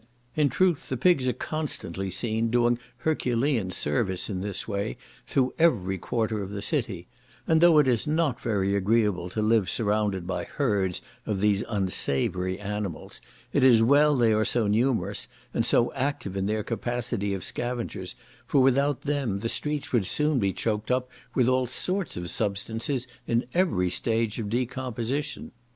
In truth the pigs are constantly seen doing Herculean service in this way through every quarter of the city; and though it is not very agreeable to live surrounded by herds of these unsavoury animals, it is well they are so numerous, and so active in their capacity of scavengers, for without them the streets would soon be choked up with all sorts of substances in every stage of decomposition.